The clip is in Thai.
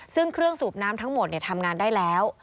ซึ่งเครื่องสูบน้ำทั้งหมดทำงานได้แล้ว